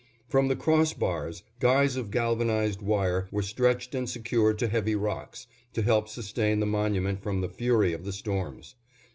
From the cross bars, guys of galvanized wire were stretched and secured to heavy rocks, to help sustain the monument from the fury of the storms.